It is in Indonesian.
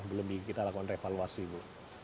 belum kita lakukan revaluasi ibu